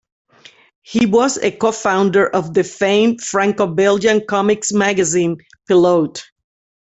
He was a co-founder of the famed Franco-Belgian comics magazine "Pilote".